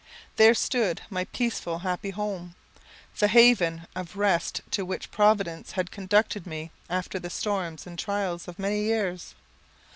There stood my peaceful, happy home; the haven of rest to which Providence had conducted me after the storms and trials of many years.